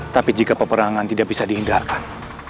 tapi jika peperangan tidak bisa dihindarkan